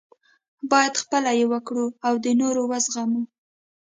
باید خپله یې وکړو او د نورو وزغمو.